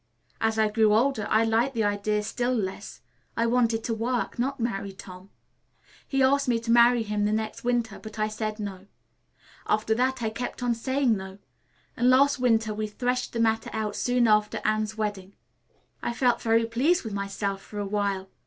As I grew older I liked the idea still less. I wanted to work; not marry Tom. He asked me to marry him the next winter, but I said 'no,' After that I kept on saying 'no,' and last winter we threshed the matter out soon after Anne's wedding. "I felt very well pleased with myself for a while.